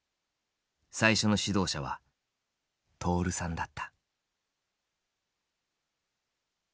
最初の指導者は徹さんだった。